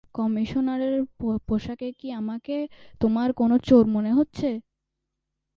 কমিশনারের পোশাকে আমাকে কি তোমার কোনো চোর মনে হচ্ছে?